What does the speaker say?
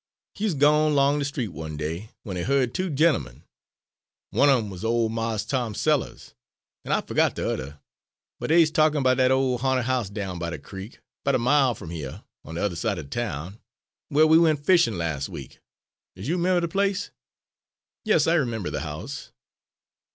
He 'uz gwine long de street one day, w'en he heared two gent'emen one of 'em was ole Mars' Tom Sellers an' I fuhgot de yuther but dey 'uz talkin' 'bout dat ole ha'nted house down by de creek, 'bout a mile from hyuh, on de yuther side er town, whar we went fishin' las' week. Does you 'member de place?" "Yes, I remember the house."